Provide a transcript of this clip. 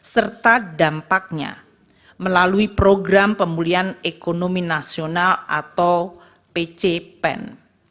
serta dampaknya melalui program pemulihan ekonomi nasional atau pcpen